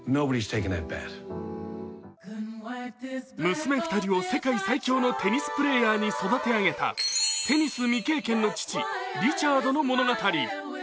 娘２人を世界最強のテニスプレーヤーに育て上げたテニス未経験の父・リチャードの物語。